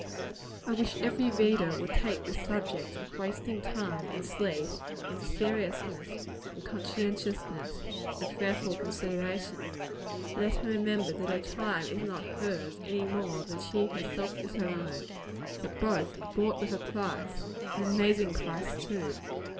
I wish every reader would take this subject of wasting time in sleep into serious, and conscientious, and prayerful consideration. Let her remember that her time is not hers, any more than she herself is her own; that both are "bought with a price" an amazing price, too!